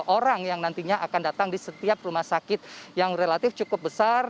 orang yang nantinya akan datang di setiap rumah sakit yang relatif cukup besar